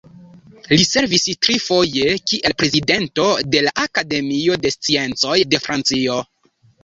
Li servis tri foje kiel prezidento de la Akademio de Sciencoj de Francio.